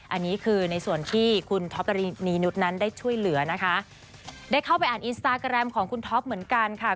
อันนี้คือในส่วนที่คุณท็อปนีนุษย์นั้นได้ช่วยเหลือนะคะได้เข้าไปอ่านอินสตาแกรมของคุณท็อปเหมือนกันค่ะ